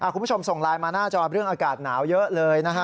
คุณผู้ชมส่งไลน์มาหน้าจอเรื่องอากาศหนาวเยอะเลยนะฮะ